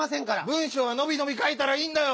文しょうはのびのびかいたらいいんだよ！